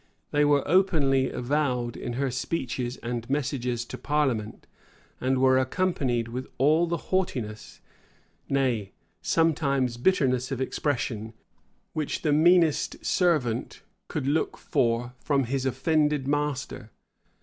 They were openly avowed in her speeches and messages to parliament; and were accompanied with all the haughtiness, nay, sometimes bitterness of expression, which the meanest servant could look for from his offended master.